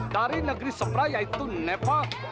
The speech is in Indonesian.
dari negeri sabra yaitu nepal